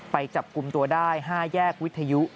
ไปจับกลุ่มตัวได้๕แยกวิทยุ